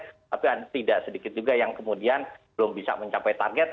tapi tidak sedikit juga yang kemudian belum bisa mencapai target